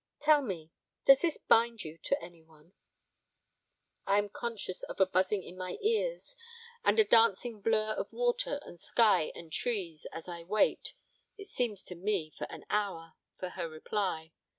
'Tell me, does this bind you to any one?' I am conscious of a buzzing in my ears and a dancing blurr of water and sky and trees, as I wait (it seems to me an hour) for her reply.